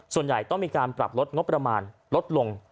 ส่วนใหญ่ต้องมีการปรับลดงบประมาณลดลง